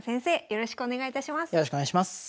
よろしくお願いします。